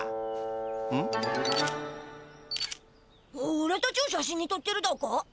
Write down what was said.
おらたちを写真にとってるだか？